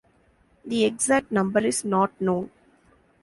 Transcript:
The exact number is not known.